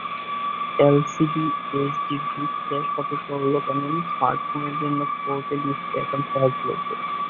LCD, এইচডির যুগ শেষ হতে চলল কেননা, স্মার্টফোনের জন্য ফোরকে ডিসপ্লেই এখন সহজলভ্য।